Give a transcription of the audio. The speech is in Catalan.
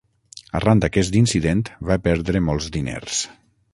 Arran d'aquest incident va perdre molts diners.